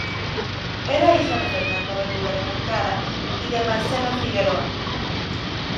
Era hija de Fernando Belluga de Moncada y de Marcela Figueroa.